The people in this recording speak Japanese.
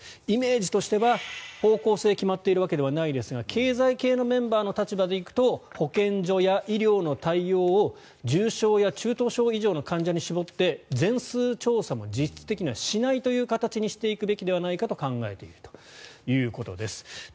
イメージとしては方向性が決まっているわけではないですが経済系のメンバーの立場で行くと保健所や医療の対応を重症や中等症以上の患者に絞って全数調査も実質的にはしないという形にしていくべきではないかと考えているということです。